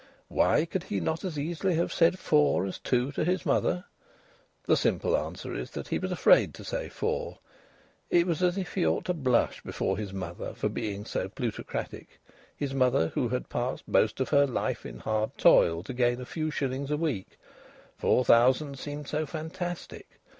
Why could he not as easily have said four as two to his mother? The simple answer is that he was afraid to say four. It was as if he ought to blush before his mother for being so plutocratic, his mother who had passed most of her life in hard toil to gain a few shillings a week. Four thousand seemed so fantastic!